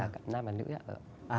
là giới nam và giới nữ